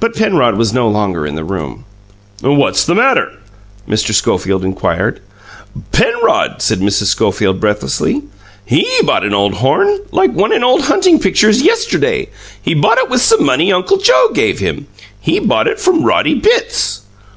But Penrod was no longer in the room. "What's the matter?" Mr. Schofield inquired. "Penrod!" said Mrs. Schofield breathlessly. "HE bought an old horn like one in old hunting pictures yesterday! He bought it with some money Uncle Joe gave him! He bought it from Roddy Bitts!"